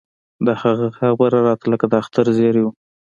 د هغه خبره راته لکه د اختر زېرى و.